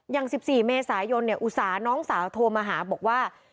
อย่าง๑๔เมษายนอุตสาหน้องสาวโทรมาหาบอกว่า